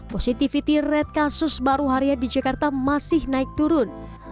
positivity rate kasus baru harian di jakarta masih naik turun